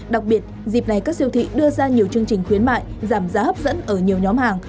đặc biệt dịp này các siêu thị đưa ra nhiều chương trình khuyến mại giảm giá hấp dẫn ở nhiều nhóm hàng